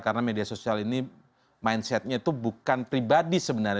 karena media sosial ini mindsetnya itu bukan pribadi sebenarnya